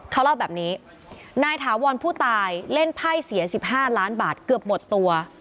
เขาเล่าแบบนี้นายถาวรผู้ตายเล่นไพ่เสีย๑๕ล้านบาทเกือบหมดตัว